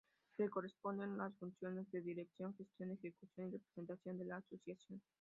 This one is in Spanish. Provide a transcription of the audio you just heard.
Le corresponden las funciones de dirección, gestión, ejecución y representación de la Asociación.